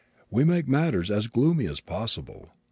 We make matters as gloomy as possible.